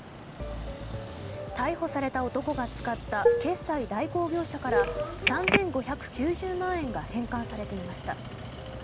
逮捕された男が使った決済代行業者から３５９０万円が返還されていました。